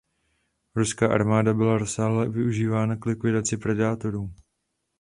Ruská armáda byla rozsáhle využívána k likvidaci predátorů.